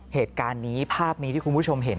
เหตุการณ์นี้ภาพนี้ที่คุณผู้ชมเห็น